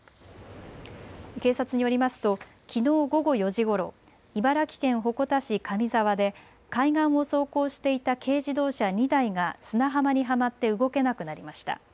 警察によりますときのう午後４時ごろ、茨城県鉾田市上沢で海岸を走行していた軽自動車２台が砂浜にはまって動けなくなりました。